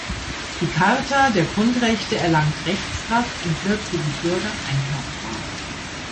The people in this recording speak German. Die Charta der Grundrechte erlangt Rechtskraft und wird für die Bürger einklagbar.